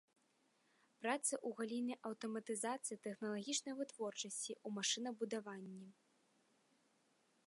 Працы ў галіне аўтаматызацыі тэхналагічнай вытворчасці ў машынабудаванні.